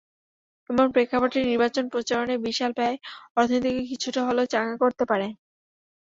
এমন প্রেক্ষাপটে নির্বাচনে প্রচারণায় বিশাল ব্যয় অর্থনীতিকে কিছুটা হলেও চাঙা করতে পারে।